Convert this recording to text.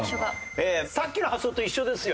さっきの発想と一緒ですよ